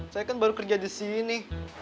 saya kan baru kerja disini